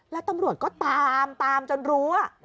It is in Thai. แล้วตำรวจก็ตามจนรู้อ่ะ